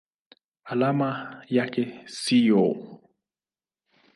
Alama yake ni SiO.